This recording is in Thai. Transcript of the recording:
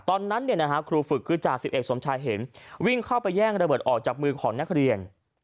ตอนนั้นครูฝึกคือจ่าสิบเอกสมชายเห็นวิ่งเข้าไปแย่งระเบิดออกจากมือของนักเรียน